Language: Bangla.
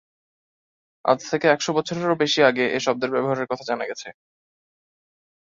আজ থেকে একশো বছরেরও বেশি আগে এ শব্দের ব্যবহারের কথা জানা গেছে।